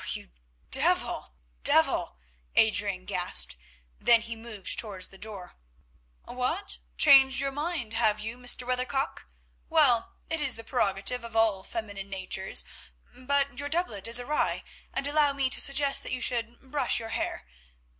"Oh! you devil, you devil!" Adrian gasped; then he moved towards the door. "What? Changed your mind, have you, Mr. Weathercock? Well, it is the prerogative of all feminine natures—but, your doublet is awry, and allow me to suggest that you should brush your hair.